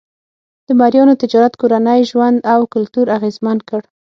د مریانو تجارت کورنی ژوند او کلتور اغېزمن کړ.